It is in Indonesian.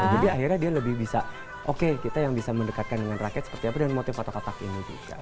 jadi akhirnya dia lebih bisa oke kita yang bisa mendekatkan dengan rakyat seperti apa dan motif kotak kotak ini juga